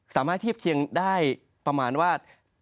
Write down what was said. สามารถเทียบเคียงได้ประมาณว่า